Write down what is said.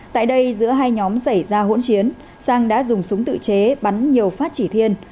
tại đây giữa hai nhóm xảy ra hỗn chiến sang đã dùng súng tự chế bắn nhiều phát chỉ thiên